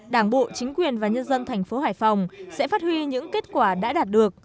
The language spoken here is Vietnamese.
đảng bộ chính quyền và nhân dân thành phố hải phòng sẽ phát huy những kết quả đã đạt được